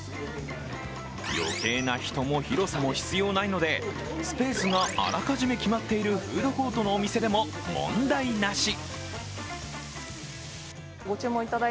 余計な人も広さも必要ないので、スペースがあらかじめ決まっているフードコートのお店でも問題なし。